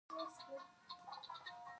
کابل له مرګونو او فریادونو ډک و.